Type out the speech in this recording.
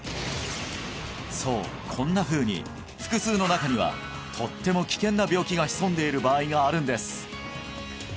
そうこんなふうに腹痛の中にはとっても危険な病気が潜んでいる場合があるんです！